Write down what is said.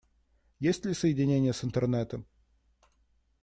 Есть ли соединение с Интернетом?